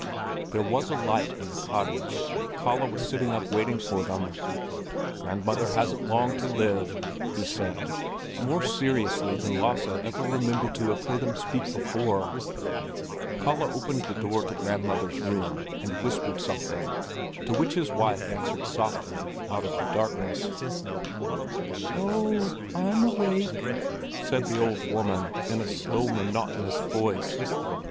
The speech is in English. There was a light in the cottage. Kalle was sitting up waiting for them. "Grandmother hasn't long to live," he said, more seriously than Lasse ever remembered to have heard him speak before. Kalle opened the door to grandmother's room, and whispered something, to which his wife answered softly out of the darkness. "Oh, I'm awake," said the old woman, in a slow, monotonous voice.